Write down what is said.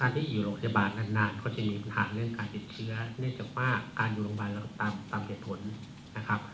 ที่อยู่โรงพยาบาลนานก็จะมีปัญหาเรื่องการติดเชื้อเนื่องจากว่าการอยู่โรงพยาบาลเราตามเหตุผลนะครับ